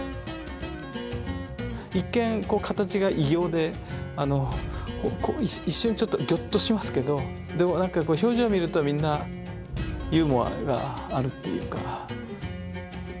一見こう形が異形で一瞬ちょっとぎょっとしますけどでも何か表情見るとみんなユーモアがあるっていうか。